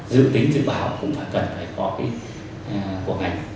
dự tính dự báo cũng phải cần phải có cái của ngành